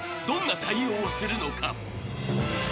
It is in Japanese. ［どんな対応をするのか？］